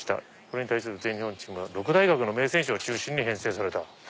これに対する全日本チームは六大学の名選手を中心に編成された」。